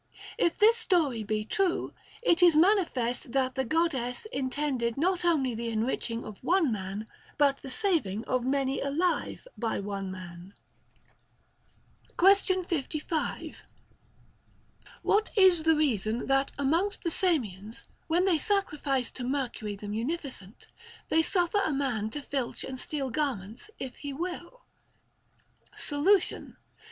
If this story be true, it is manifest that the God dess intended not only the enriching of one man, but the saving of many alive by one man. Question 55. What is the reason that amongst the Samians, when they sacrifice to Mercury the munificent, they suffer a man to filch and steal garments if he will 1 Solution.